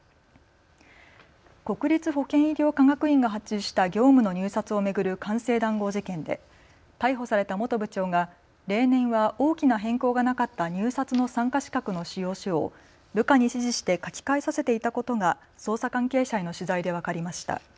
国立保健医療科学院が発注した業務の入札を巡る官製談合事件で逮捕された元部長が例年は大きな変更がなかった入札の参加資格の仕様書を部下に指示して書き換えさせていたことが捜査関係者への取材で分かりました。